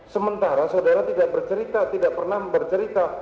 sementara saudara tidak pernah bercerita